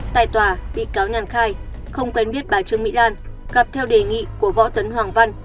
tại tòa bị cáo nhàn khai không quen biết bà trương mỹ lan gặp theo đề nghị của võ tấn hoàng văn